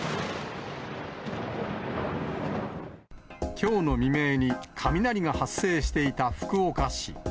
きょうの未明に、雷が発生していた福岡市。